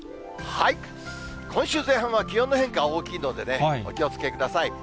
今週前半は気温の変化が大きいのでね、お気をつけください。